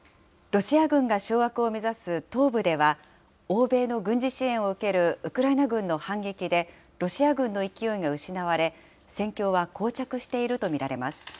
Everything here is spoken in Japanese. ロシア軍が掌握を目指す東部では、欧米の軍事支援を受けるウクライナ軍の反撃で、ロシア軍の勢いが失われ、戦況はこう着していると見られます。